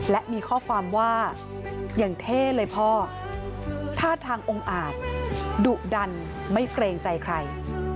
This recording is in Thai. และมีข้อความว่าอย่างเท่เลยพ่อท่าทางองค์อาจดุดันไม่เกรงใจใคร